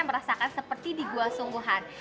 merasakan seperti di gua sungguhan